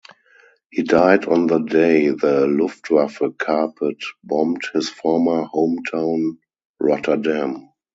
He died on the day the Luftwaffe carpet bombed his former hometown Rotterdam.